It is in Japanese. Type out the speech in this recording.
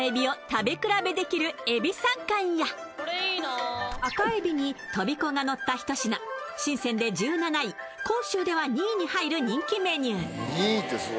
三種のえびを食べ比べできるえび３貫や、赤えびにとびこがのったひと品、深センで１７位、広州では２位に入る人気メニュー。